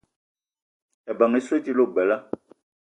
Ebeng essoe dila ogbela